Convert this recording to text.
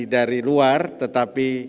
dari luar tetapi